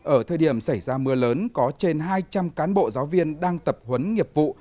ở thời điểm xảy ra mưa lớn có trên hai trăm linh cán bộ giáo viên đang tập huấn nghiệp vụ